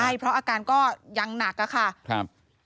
ใช่เพราะอาการก็ยังหนักอะค่ะครับ